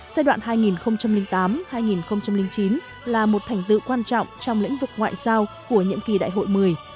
giai đoạn hai nghìn tám hai nghìn chín là một thành tựu quan trọng trong lĩnh vực ngoại giao của nhiệm kỳ đại hội một mươi